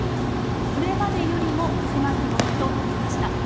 これまでよりも狭き門となりました。